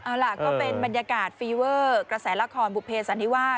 เอาล่ะก็เป็นบรรยากาศฟีเวอร์กระแสละครบุเภสันนิวาส